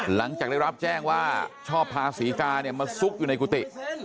หลังจากได้รับแจ้งว่าชอบพาศรีกาเนี่ยมาซุกอยู่ในกุฏิ